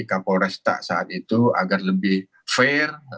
kapolresta saat itu agar lebih fair